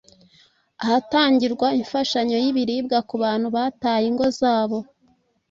ahatangirwa imfashanyo y'ibiribwa ku bantu bataye ingo zabo